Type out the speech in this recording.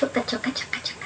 ちょっかちょっか。